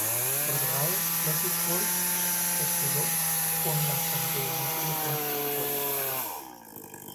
Por otro lado, Lotus-Ford se quedó con la Campeonato de Constructores.